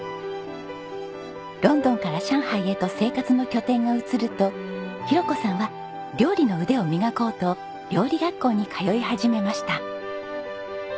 ロンドンから上海へと生活の拠点が移ると裕子さんは料理の腕を磨こうと料理学校に通い始めました。